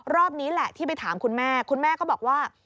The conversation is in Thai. รอบนี้แหละที่ไปถามคุณแม่คุณแม่ก็บอกว่า